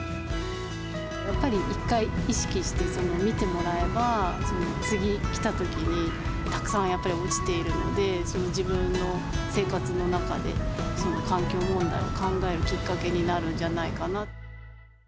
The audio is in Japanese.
やっぱり一回意識して、見てもらえば、次、来たときにたくさんやっぱり落ちているので、自分の生活の中で、環境問題を考えるきっかけになるんじゃないかな。